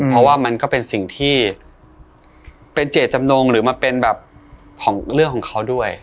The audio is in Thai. เพราะว่ามันก็เป็นสิ่งที่เป็นเจตจำนงหรือมันเป็นแบบของเรื่องของเขาด้วย